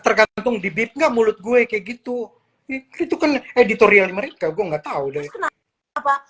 tergantung di bip nggak mulut gue kayak gitu itu kan editorial mereka gua nggak tahu deh kenapa